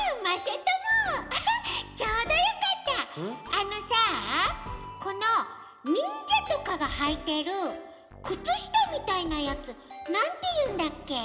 あのさこのにんじゃとかがはいてるくつしたみたいなやつなんていうんだっけ？